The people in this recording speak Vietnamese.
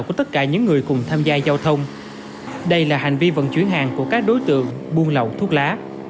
và những người cùng tham gia giao thông đây là hành vi vận chuyển hàng của các đối tượng buôn lậu thuốc lá